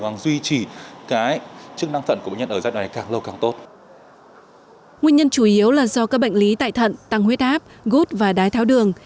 nguyên nhân chủ yếu là do các bệnh lý tại thận tăng huyết áp gút và đái tháo đường